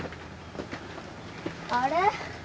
あれ？